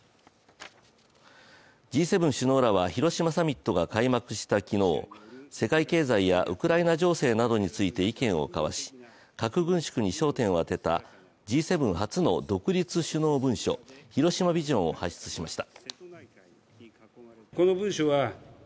Ｇ７首脳らは広島サミットが開幕した昨日、世界経済やウクライナ情勢などについて意見を交わし核軍縮に焦点を当てたＧ７初の独立首脳文書広島ビジョンを発出しました。